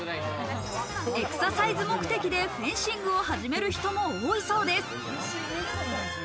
エクササイズ目的でフェンシングを始める人も多いそうです。